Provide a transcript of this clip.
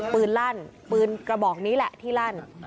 ลั่นปืนกระบอกนี้แหละที่ลั่น